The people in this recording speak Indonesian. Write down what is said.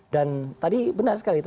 dan tadi benar sekali